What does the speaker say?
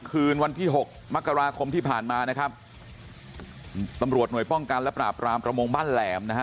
คืนวันที่หกมกราคมที่ผ่านมานะครับตำรวจหน่วยป้องกันและปราบรามประมงบ้านแหลมนะฮะ